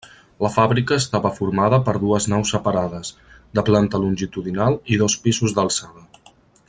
La fàbrica estava formada per dues naus separades, de planta longitudinal i dos pisos d'alçada.